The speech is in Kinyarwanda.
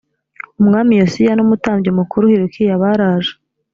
umwami yosiya n umutambyi mukuru hilukiya baraje